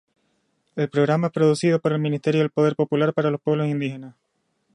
El programa es conducido por el Ministerio del Poder Popular para los Pueblos Indígenas.